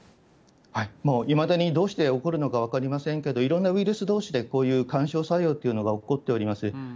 もういまだに、どうして起こるのか分かりませんけど、いろんなウイルスどうしでこういう干渉作用っていうのが起こっております。